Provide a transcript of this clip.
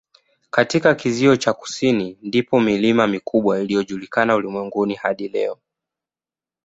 Katika kizio cha kusini ndipo milima mikubwa inayojulikana ulimwenguni hadi leo.